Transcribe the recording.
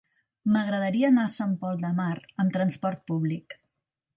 M'agradaria anar a Sant Pol de Mar amb trasport públic.